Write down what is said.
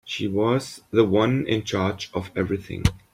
She was the one in charge of everything.